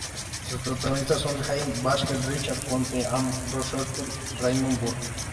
Sus protagonistas son Anne Baxter, Richard Conte, Ann Sothern y Raymond Burr.